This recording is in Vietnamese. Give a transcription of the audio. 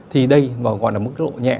thì đây gọi là mức độ nhẹ